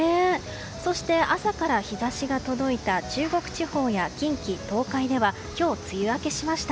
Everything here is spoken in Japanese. そして、朝から日差しが届いた中国地方や近畿・東海では今日、梅雨明けしました。